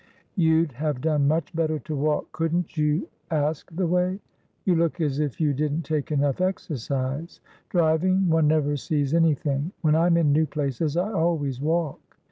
"You'd have done much better to walk. Couldn't you ask the way? You look as if you didn't take enough exercise. Driving, one never sees anything. When I'm in new places, I always walk.